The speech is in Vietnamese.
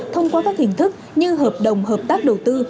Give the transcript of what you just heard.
thông qua các hình thức như hợp đồng hợp tác đầu tư